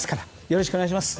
よろしくお願いします。